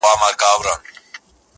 خلک ډېر وه تر درباره رسېدلي!.